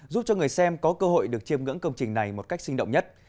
giúp cho người xem có cơ hội được chiêm ngưỡng công trình này một cách sinh động nhất